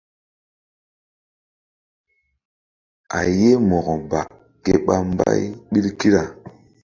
A ye Mo̧ko ba ke ɓa mbay ɓil kira.